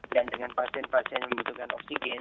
dan dengan pasien pasien yang membutuhkan oksigen